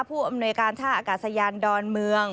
ผู้อำนวยการท่าอากาศยานดอนเมือง